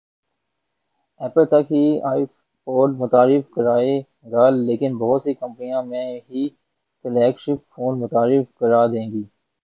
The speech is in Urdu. ایپل تک ہی آئی پوڈ متعارف کرائے گا لیکن بہت سی کمپنیاں میں ہی فلیگ شپ فون متعارف کرا دیں گی